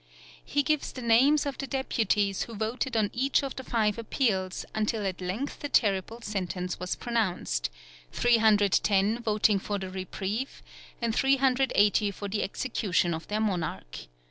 He gives the names of the deputies who voted on each of the five appeals, until at length the terrible sentence was pronounced, 310 voting for the reprieve and 380 for the execution of their monarch.